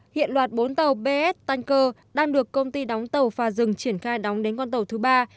hiện loạt bốn tàu bs tanker đang được công ty đóng tàu phà rừng triển khai đóng đến con tàu thứ ba